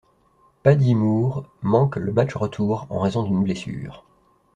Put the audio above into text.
Paddy Moore manque le match retour en raison d’une blessure.